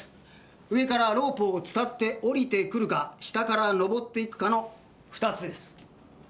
上からロープを伝って下りてくるか下から登っていくかの２つです。